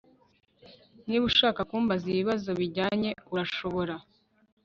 Niba ushaka kumbaza ibibazo bijyanye urashobora